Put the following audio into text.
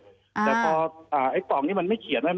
แต่ตอนไอ้ของนี้มันไม่เขียนไหม